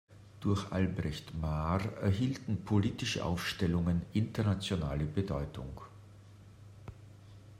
Durch Albrecht Mahr erhielten Politische Aufstellungen internationale Bedeutung.